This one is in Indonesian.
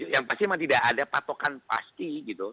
yang pasti memang tidak ada patokan pasti gitu